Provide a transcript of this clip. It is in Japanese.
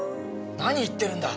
何言ってるんだ！